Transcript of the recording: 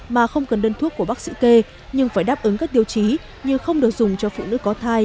mà không cần đơn thuốc của bác sĩ kê nhưng phải đáp ứng các tiêu chí như không được dùng cho phụ nữ có thai